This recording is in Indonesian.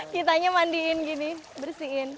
kitanya mandiin gini bersihin